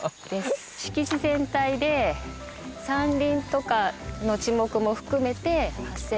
敷地全体で山林とかの樹木も含めて８７００坪。